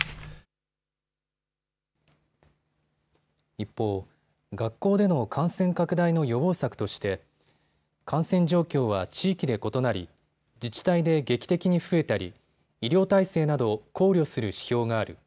一方、学校での感染拡大の予防策として感染状況は地域で異なり自治体で劇的に増えたり医療体制など考慮する指標がある。